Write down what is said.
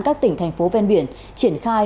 các tỉnh thành phố ven biển triển khai